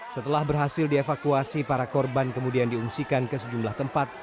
setelah berhasil dievakuasi para korban kemudian diungsikan ke sejumlah tempat